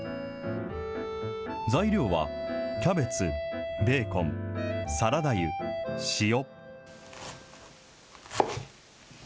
材料は、キャベツ、ベーコン、サラダ油、塩。